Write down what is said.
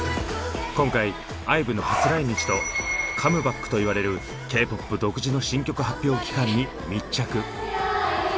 今回ＩＶＥの初来日と「カムバック」と言われるＫーＰＯＰ独自の新曲発表期間に密着。